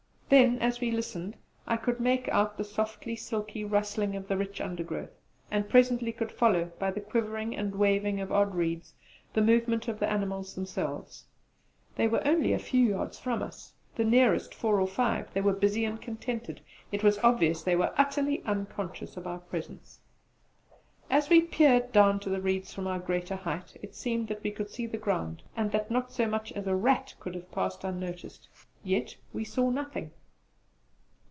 Then as we listened I could make out the soft silky rustling of the rich undergrowth, and presently, could follow, by the quivering and waving of odd reeds, the movements of the animals themselves. They were only a few yards from us the nearest four or five; they were busy and contented; and it was obvious they were utterly unconscious of our presence. As we peered down to the reeds from our greater height it seemed that we could see the ground and that not so much as a rat could have passed unnoticed. Yet we saw nothing!